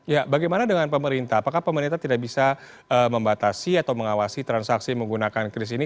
ya bagaimana dengan pemerintah apakah pemerintah tidak bisa membatasi atau mengawasi transaksi menggunakan kris ini